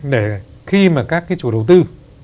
để khi mà các cái chủ đầu tư